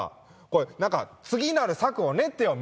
これ何か次なる策を練ってよ